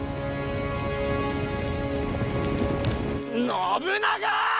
信長！